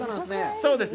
そうですね。